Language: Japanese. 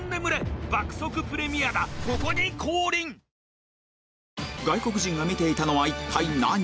さぁ外国人が見ていたのは一体何？